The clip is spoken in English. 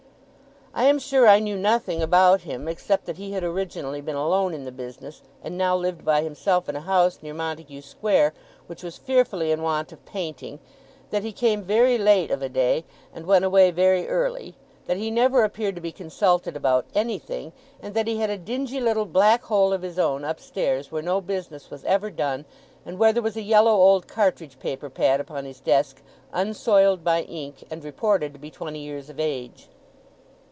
I am sure I knew nothing about him, except that he had originally been alone in the business, and now lived by himself in a house near Montagu Square, which was fearfully in want of painting; that he came very late of a day, and went away very early; that he never appeared to be consulted about anything; and that he had a dingy little black hole of his own upstairs, where no business was ever done, and where there was a yellow old cartridge paper pad upon his desk, unsoiled by ink, and reported to be twenty years of age.